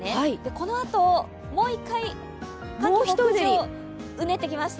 このあと、もう一回、北上、うねってきました。